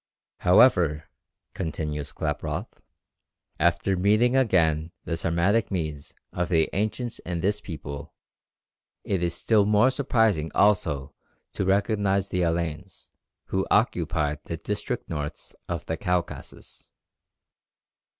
"However," continues Klaproth, "after meeting again the Sarmatic Medes of the ancients in this people, it is still more surprising also to recognize the Alains, who occupied the districts north of the Caucasus."